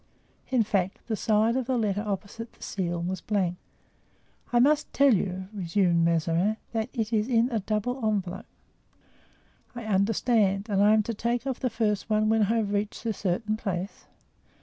In fact, the side of the letter opposite the seal was blank. "I must tell you," resumed Mazarin, "that it is in a double envelope." "I understand; and I am to take off the first one when I have reached a certain place?"